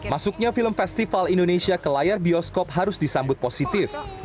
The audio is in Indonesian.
masuknya film festival indonesia ke layar bioskop harus disambut positif